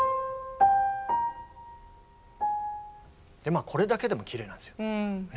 まあこれだけでもきれいなんですよ。